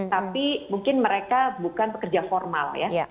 tapi mungkin mereka bukan pekerja formal ya